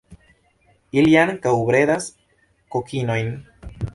Ili ankaŭ bredas kokinojn.